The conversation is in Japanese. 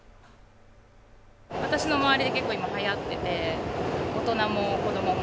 私の周りで結構今、はやってて、大人も子供も。